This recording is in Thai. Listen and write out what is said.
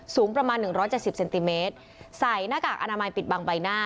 สูงประมาณหนึ่งร้อยเจ็ดสิบเซนติเมตรใส่หน้ากากอนามัยปิดบังใบหน้า